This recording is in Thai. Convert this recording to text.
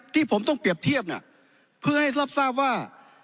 ที่ผมต้องเปรียบเทียบน่ะเพื่อให้ทรัพย์ทราบว่า